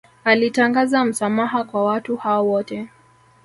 Alitangaza msamaha kwa watu hao wote